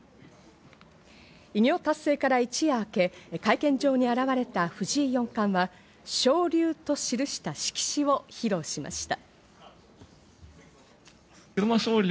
偉業達成から一夜明け、会見場に現れた藤井四冠は「昇龍」としるした色紙を披露しました。